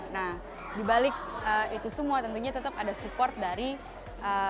nah dibalik itu semua tentunya tetap ada support dari pemerintah